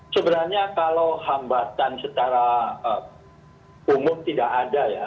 sebenarnya kalau hambatan secara umum tidak ada ya